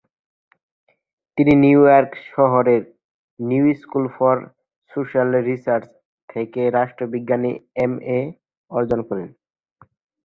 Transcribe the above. তিনি New York শহরের New School for Social Research থেকে রাষ্ট্রবিজ্ঞানে এমএ অর্জন করেন।